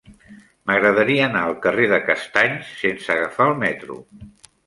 M'agradaria anar al carrer de Castanys sense agafar el metro.